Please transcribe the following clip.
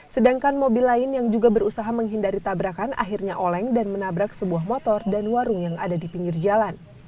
sedangkan mobil lain yang juga berusaha menghindari tabrakan akhirnya oleng dan menabrak sebuah motor dan warung yang ada di pinggir jalan